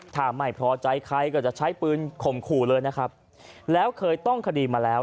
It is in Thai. ถ้าไม่พอใจใครก็จะใช้ปืนข่มขู่เลยนะครับแล้วเคยต้องคดีมาแล้ว